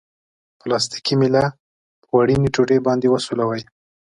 پلاستیکي میله په وړیني ټوټې باندې وسولوئ.